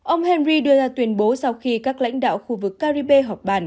ông henry đưa ra tuyên bố sau khi các lãnh đạo khu vực caribe họp bàn